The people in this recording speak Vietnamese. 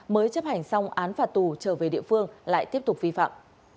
mới chấp hành xong án phạt tù trở về địa phương lại tiếp tục vi phạm